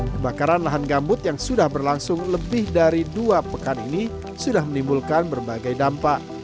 kebakaran lahan gambut yang sudah berlangsung lebih dari dua pekan ini sudah menimbulkan berbagai dampak